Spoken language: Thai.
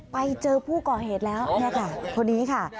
ไปเจอผู้ก่อเหตุแล้วเนี่ยค่ะคนนี้ค่ะ